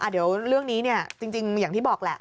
เดี๋ยวเรื่องนี้จริงอย่างที่บอกแหละ